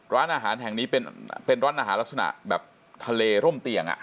ร้านอาหารแห่งนี้เป็นร้านอาหารลักษณะแบบทะเลร่มเตียง